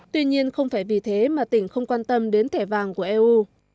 tuy nhiên không phải vì thế mà tỉnh không quan tâm đến thẻ vàng của eu